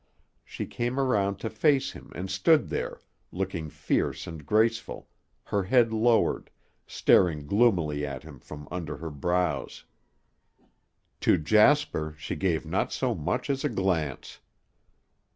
She came around to face him and stood there, looking fierce and graceful, her head lowered, staring gloomily at him from under her brows. To Jasper she gave not so much as a glance.